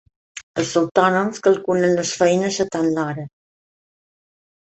Els autònoms calculen les feines a tant l'hora.